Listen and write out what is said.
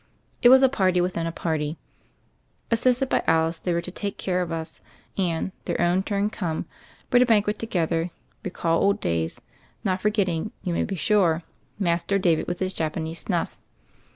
It was a party within a party. As sisted by Alice, they were to take care of us; and, their own turn come, were to banquet to gether, recall old days, not forgetting, you may be sure, Master David with his Japanese snufi.